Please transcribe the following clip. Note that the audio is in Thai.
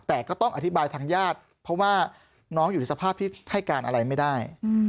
แต่ก็ต้องอธิบายทางญาติเพราะว่าน้องอยู่ในสภาพที่ให้การอะไรไม่ได้